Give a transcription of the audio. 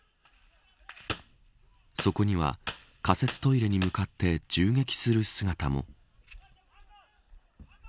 そこには、仮設トイレに向かって銃撃する姿も。